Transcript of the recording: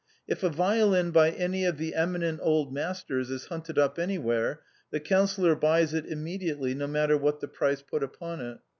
If a violin by any of the eminent old masters is hunted up anywhere, the Coun cillor buys it immediately, no matter what the price put upon it.